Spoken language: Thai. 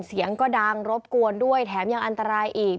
เสียงก็ดังรบกวนด้วยแถมยังอันตรายอีก